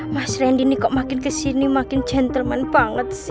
mas randy ini kok makin kesini makin gentleman banget sih